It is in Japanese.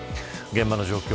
現場の状況